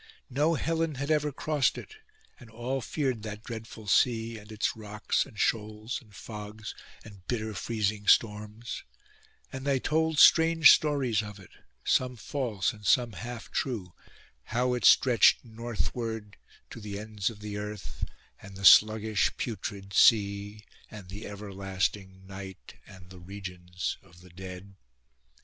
No Hellen had ever crossed it, and all feared that dreadful sea, and its rocks, and shoals, and fogs, and bitter freezing storms; and they told strange stories of it, some false and some half true, how it stretched northward to the ends of the earth, and the sluggish Putrid Sea, and the everlasting night, and the regions of the dead.